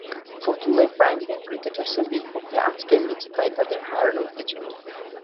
ফতুল্লায় Prime Bank ক্রিকেটার্সের বিপক্ষে আজকের ম্যাচে তাই তাদের হারানোর কিছু নেই।